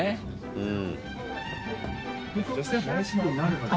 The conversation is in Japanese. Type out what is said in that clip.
うん。